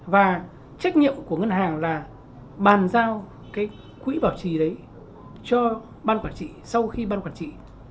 và trách nhiệm của ngân hàng là bàn giao cái quỹ bảo trì đấy cho ban quản trị sau khi ban quản trị